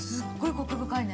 コク深いね。